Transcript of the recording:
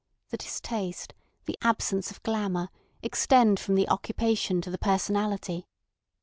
The distaste, the absence of glamour, extend from the occupation to the personality.